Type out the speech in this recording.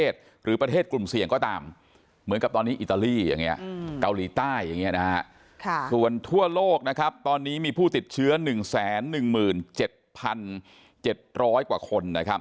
ส่วนทั่วโลกนะครับตอนนี้มีผู้ติดเชื้อ๑๑๗๗๐๐กว่าคน